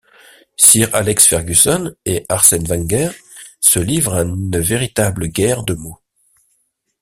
Sir Alex Ferguson et Arsène Wenger se livrent à une véritable guerre de mots.